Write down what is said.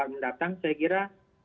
mendatang saya kira